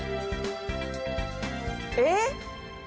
えっ！